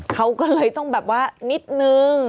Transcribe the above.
เขาก็เลยต้องแบบว่านิดนึง